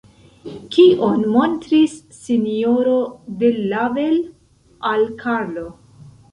Kion montris S-ro de Lavel al Karlo?